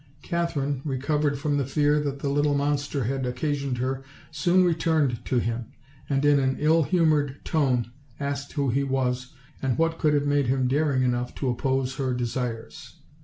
Katherine, recovered from the fear that the little monster had occa sioned her, soon returned to him; and in an ill liumon'd tone asked who he was, and what could have made him daring enough to oppose her desires.